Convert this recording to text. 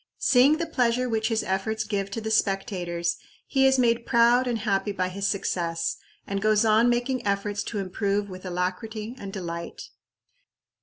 Seeing the pleasure which his efforts give to the spectators, he is made proud and happy by his success, and goes on making efforts to improve with alacrity and delight.